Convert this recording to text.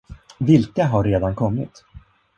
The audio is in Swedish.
Vilka har redan kommit?